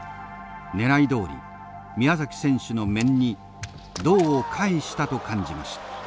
狙いどおり宮崎選手の面に胴を返したと感じました。